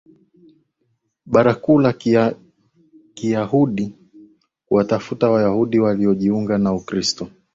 na Baraza Kuu la Kiyahudi kuwatafuta Wayahudi waliojiunga na Ukristo na